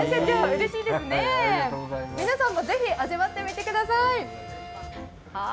皆さんもぜひ味わってみてください。